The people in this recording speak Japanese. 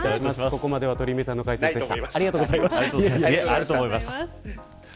ここまでは鳥海さんの解説でした。